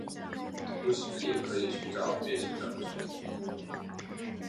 同时也可以寻找月球上的水。